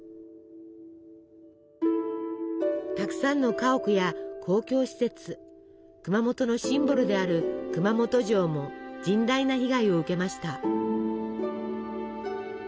たくさんの家屋や公共施設熊本のシンボルである熊本城も甚大な被害を受けました。